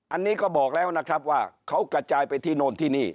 อันนี้ก็บอกแล้วนะครับว่าเขากระจายไปที่โน่นที่นี่